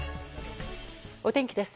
お天気です。